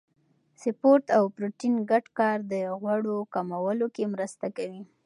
سپورت او پروتین ګډ کار د غوړو کمولو کې مرسته کوي.